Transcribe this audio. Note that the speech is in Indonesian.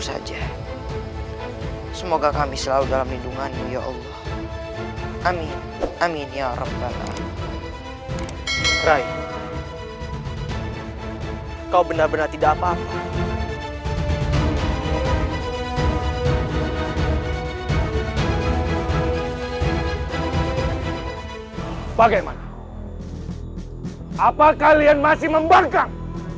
apa kalian masih membangkang